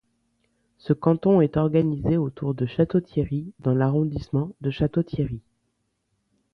Ce canton est organisé autour de Château-Thierry dans l'arrondissement de Château-Thierry.